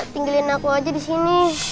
tinggalin aku aja disini